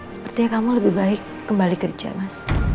sepertinya kamu lebih baik kembali kerja mas